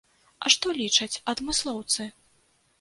А што лічаць адмыслоўцы?